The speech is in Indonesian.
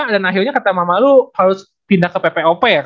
dan akhirnya kata mama lu harus pindah ke ppop